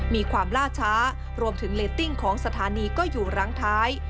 มีความล่าช้ารวมถึงเลติ้งของสถานีก็อยู่รั้งท้าย